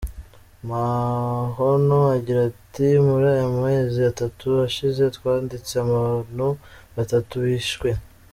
Mahono agira ati : 'muri aya mezi atatu ashize, twanditse abantu batatu bishwe.